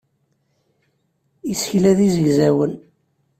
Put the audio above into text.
Isekla d izegzawen.